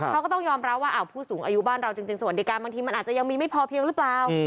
เขาก็ต้องยอมรับว่าผู้สูงอายุบ้านเราจริงสวัสดิการบางทีมันอาจจะยังมีไม่พอเพียงหรือเปล่า